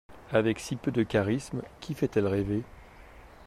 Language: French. Avec si peu de charisme, qui fait-elle rêver?